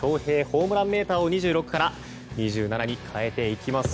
ホームランメーターを２６から２７に変えていきます。